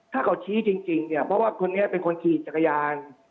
ถ้าเขาชี้จริงเนี่ยเพราะว่าคนนี้เป็นคนขี่จักรยาน